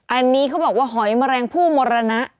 อันนี้เขาบอกว่าหอยแมลงผู้มรณะ